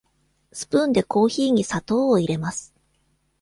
スプーンでコーヒーに砂糖を入れます。